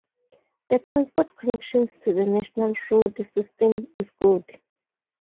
The transport connections to the national road system is good.